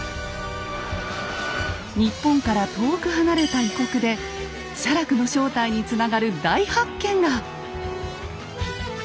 日本から遠く離れた異国で写楽の正体につながる大発見が！